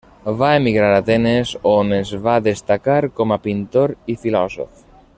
Va emigrar a Atenes on es va destacar com a pintor i filòsof.